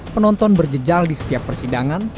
penonton berjejal di setiap persidangan